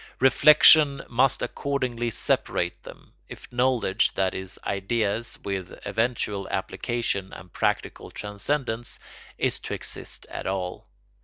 Reflection must accordingly separate them, if knowledge (that is, ideas with eventual application and practical transcendence) is to exist at all.